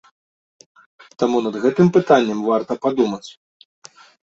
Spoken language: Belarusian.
Таму над гэтым пытаннем варта падумаць.